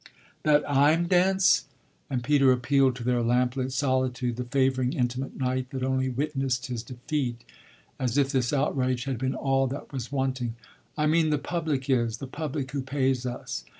"That I'm dense?" and Peter appealed to their lamplit solitude, the favouring, intimate night that only witnessed his defeat, as if this outrage had been all that was wanting. "I mean the public is the public who pays us.